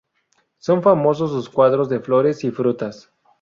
Son famosos sus cuadros de flores y frutas.